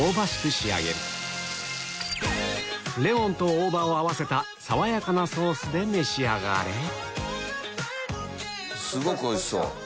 仕上げるレモンと大葉を合わせた爽やかなソースで召し上がれすごくおいしそう。